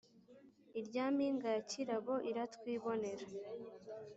Irya mpinga ya Kirabo iratwibonera,